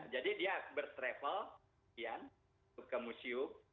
jadi dia bertravel ke museum